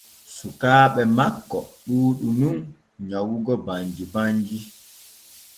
Sukaaɓe makko ɗuuɗu nun nyawugo banji banji.